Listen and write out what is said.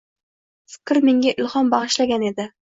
fikr menga ilhom bag‘ishlagan edi.